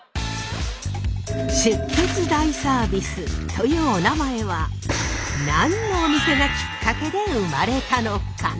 「出血大サービス」というおなまえは何のお店がきっかけで生まれたのか？